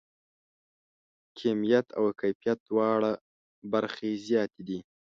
کیمیت او کیفیت دواړه برخې زیاتې دي.